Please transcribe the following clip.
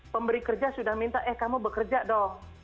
pemberi kerja sudah minta eh kamu bekerja dong